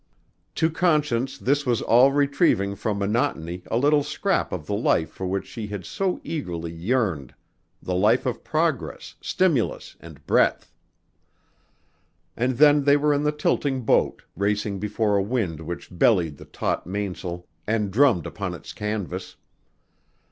To Conscience this was all retrieving from monotony a little scrap of the life for which she had so eagerly yearned: the life of progress, stimulus and breadth. And then they were in the tilting boat, racing before a wind which bellied the taut mains'l and drummed upon its canvas.